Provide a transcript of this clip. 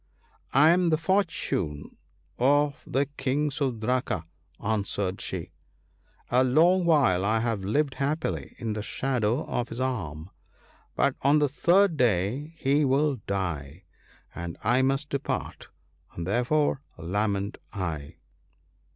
' I am the Fortune ( fl3 ) of the King Sudraka,' answered she ; 'a long while I have lived happily in the shadow of his arm ; but on the third day he will die, and I must depart, and therefore lament I.'